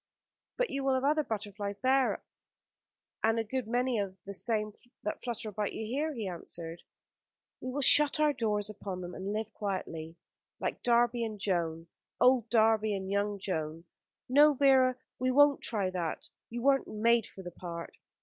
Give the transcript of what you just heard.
"But you will have other butterflies there, and a good many of the same that flutter about you here," he answered. "We will shut our doors upon them and live quietly." "Like Darby and Joan old Darby and young Joan. No, Vera, we won't try that. You weren't made for the part."